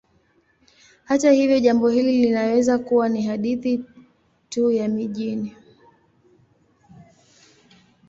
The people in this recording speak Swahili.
Hata hivyo, jambo hili linaweza kuwa ni hadithi tu ya mijini.